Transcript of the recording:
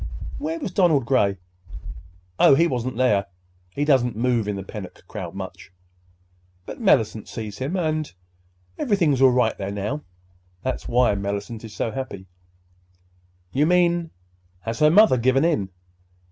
"Where was Donald Gray?" "Oh, he wasn't there. He doesn't move in the Pennock crowd much. But Mellicent sees him, and—and everything's all right there, now. That's why Mellicent is so happy." "You mean—Has her mother given in?"